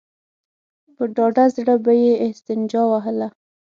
په ډاډه زړه به يې استنجا وهله.